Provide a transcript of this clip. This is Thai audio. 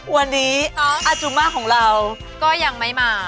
วันนี้อาจูมาของเราก็ยังไม่มา